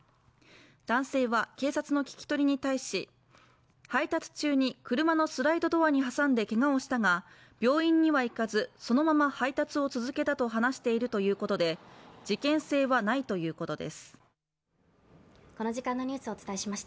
男性は警察の聞き取りに対し配達中に車のスライドドアに挟んでけがをしたが病院には行かずそのまま配達を続けたと話しているということで事件性はないということです。